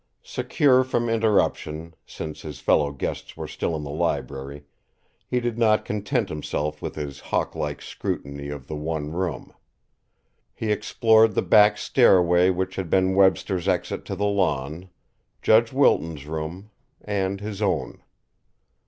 Secure from interruption, since his fellow guests were still in the library, he did not content himself with his hawk like scrutiny of the one room; he explored the back stairway which had been Webster's exit to the lawn, Judge Wilton's room, and his own.